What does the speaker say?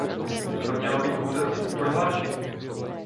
To mělo být pouze osobní prohlášení.